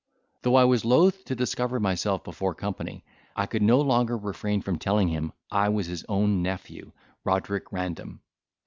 Though I was loth to discover myself before company, I could no longer refrain from telling him I was his own nephew, Roderick Random.